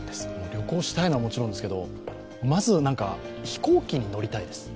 旅行したいのはもちろんですけど、まず飛行機に乗りたいです。